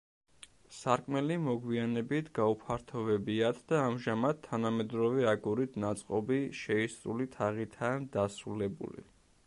სარკმელი მოგვიანებით გაუფართოვებიათ და ამჟამად თანამედროვე აგურით ნაწყობი შეისრული თაღითაა დასრულებული.